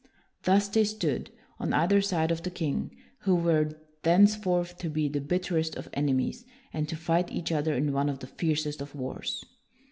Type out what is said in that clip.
Thus they stood, on either side of the king, who were thenceforth to be the bitterest of enemies, and to fight each other in one of the fiercest of wars.